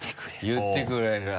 言ってくれる。